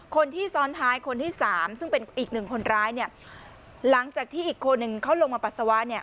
คนที่ซ้อนท้ายคนที่สามซึ่งเป็นอีกหนึ่งคนร้ายเนี่ยหลังจากที่อีกคนหนึ่งเขาลงมาปัสสาวะเนี่ย